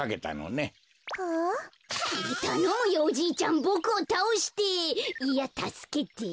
たのむよおじいちゃんボクをたおしていやたすけて。